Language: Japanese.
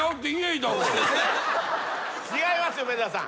違いますよ梅沢さん。